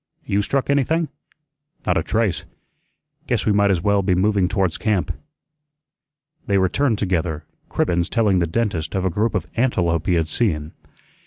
You struck anything?" "Not a trace. Guess we might as well be moving towards camp." They returned together, Cribbens telling the dentist of a group of antelope he had seen.